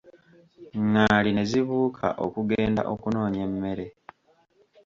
Ngaali ne zibuuka okugenda okunoonya emmere.